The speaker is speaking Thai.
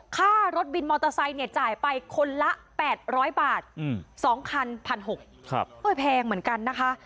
ค่ารถบินมอเตอร์ไซค์เนี่ยจ่ายไปคนละ๘๐๐บาท๒คัน๑๖๐๐แพงเหมือนกันนะคะ